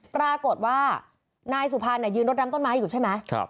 ปรากฏว่านายสุพรณอ่ะยืนรถน้ำต้นไม้อยู่ใช่ไหมครับ